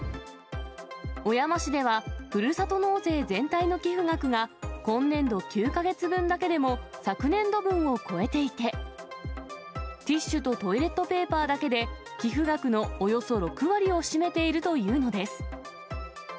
小山市ではふるさと納税全体の寄付額が、今年度９か月分だけでも昨年度分を超えていて、ティッシュとトイレットペーパーだけで、寄付額のおよそ６割を占めているというのです。